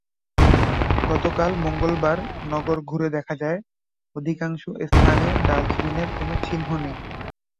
গতকাল মঙ্গলবার নগর ঘুরে দেখা যায়, অধিকাংশ স্থানে ডাস্টবিনের কোনো চিহ্ন নেই।